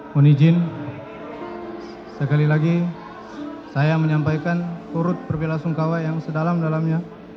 mohon izin sekali lagi saya menyampaikan turut berbela sungkawa yang sedalam dalamnya